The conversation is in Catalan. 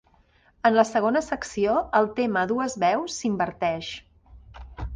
En la segona secció, el tema a dues veus s'inverteix.